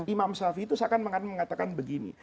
imam shafi'i itu seakan mengatakan begini